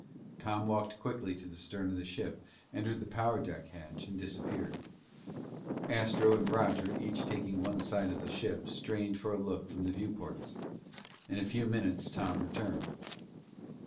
Tom walked quickly to the stern of the ship, entered the power deck hatch, and disappeared. Astro and Roger, each taking one side of the ship, strained for a look from the viewports. In a few minutes Tom returned.